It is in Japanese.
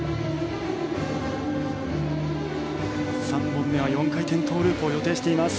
３本目は４回転トウループを予定しています。